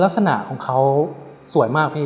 ลักษณะของเขาสวยมากพี่